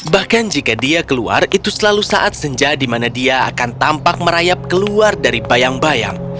bahkan jika dia keluar itu selalu saat senja di mana dia akan tampak merayap keluar dari bayang bayang